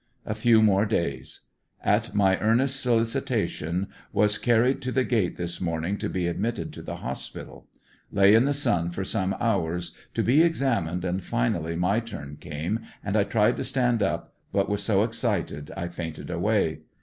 A few more days. At my earnest solicitation was car 90 ANDER80NVILLE DIA B Y, ried to the gate this morning, to be admitted to the hospital. Lay in the sun for some hours to be examined, and finally my turn came and I tried to stand up, but was so excited I fainted away.